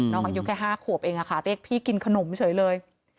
อายุแค่๕ขวบเองค่ะเรียกพี่กินขนมเฉยเลย